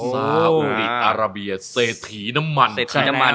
ซาอุดีอาราเบียเศษถีน้ำมัน